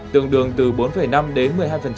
tường đường từ bốn năm đến một mươi hai